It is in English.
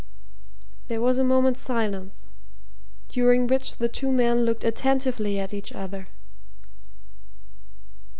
There was a moment's silence, during which the two men looked attentively at each other.